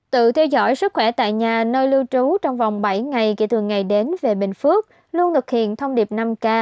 tự theo dõi sức khỏe tại nhà nơi lưu trú trong vòng bảy ngày kể từ ngày đến về bình phước luôn thực hiện thông điệp năm k